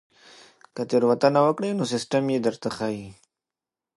که تېروتنه وکړئ نو سیستم یې درته ښيي.